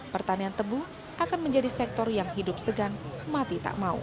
pertanian tebu akan menjadi sektor yang hidup segan mati tak mau